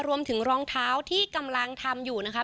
รองเท้าที่กำลังทำอยู่นะคะ